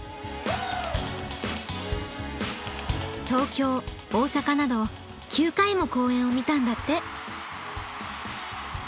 東京大阪など９回も公演を見たんだって。